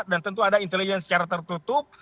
dan tentu ada inteligen secara tertutup